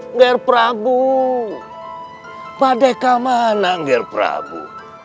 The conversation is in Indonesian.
nger prabu padahal kamu nger prabu